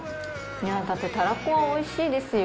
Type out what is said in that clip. いやだってタラコはおいしいですよ。